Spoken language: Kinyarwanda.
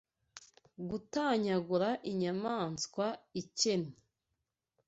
Gutanyagura inyamaswa ikennye